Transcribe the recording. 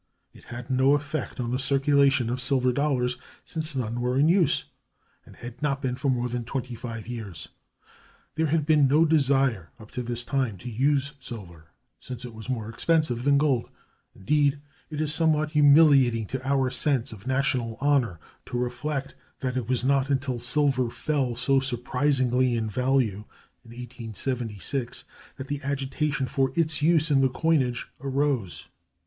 It had no effect on the circulation of silver dollars, since none were in use, and had not been for more than twenty five years. There had been no desire up to this time to use silver, since it was more expensive than gold; indeed, it is somewhat humiliating to our sense of national honor to reflect that it was not until silver fell so surprisingly in value (in 1876) that the agitation for its use in the coinage arose.